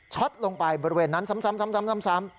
ลงไปบริเวณนั้นซ้ำ